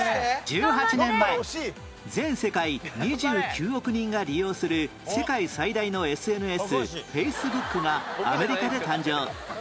１８年前全世界２９億人が利用する世界最大の ＳＮＳＦａｃｅｂｏｏｋ がアメリカで誕生